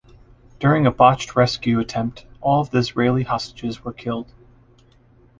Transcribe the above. During a botched rescue attempt, all of the Israeli hostages were killed.